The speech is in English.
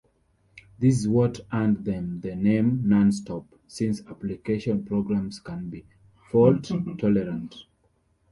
This is what earned them the name NonStop, since application programs can be fault-tolerant.